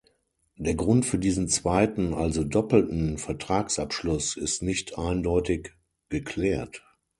Der Grund für diesen zweiten, also doppelten Vertragsabschluss ist nicht eindeutig geklärt.